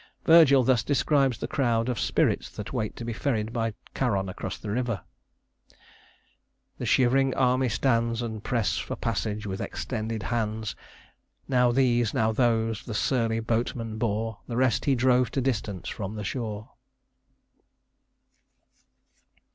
Virgil thus describes the crowd of spirits that wait to be ferried by Charon across the river: "The shivering army stands, And press for passage with extended hands, Now these, now those, the surly boatman bore; The rest he drove to distance from the shore."